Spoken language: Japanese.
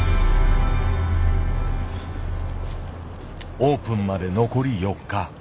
オープンまで残り４日。